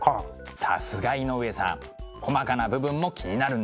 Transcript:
さすが井上さん細かな部分も気になるんですね。